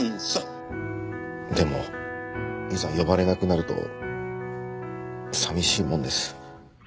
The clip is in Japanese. でもいざ呼ばれなくなると寂しいもんです。